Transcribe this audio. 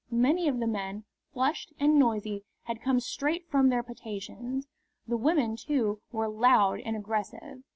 Many of the men, flushed and noisy, had come straight from their potations. The women, too, were loud and aggressive.